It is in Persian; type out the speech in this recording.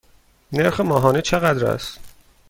نرخ ماهانه چقدر است؟